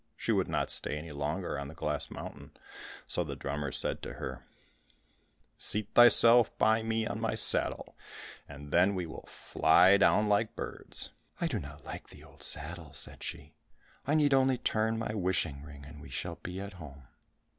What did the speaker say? She would not stay any longer on the glass mountain, so the drummer said to her, "Seat thyself by me on my saddle, and then we will fly down like birds." "I do not like the old saddle," said she, "I need only turn my wishing ring and we shall be at home."